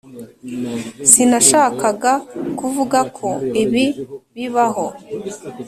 sinashakaga kuvuga ko ibi bibaho.